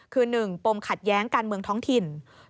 คือ๑ปมขัดแย้งการเมืองท้องถิ่น